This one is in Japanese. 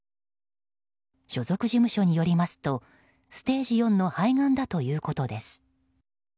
所属事務所によりますとステージ４の肺がんだということです。